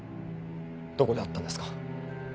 どこで会ったんですか？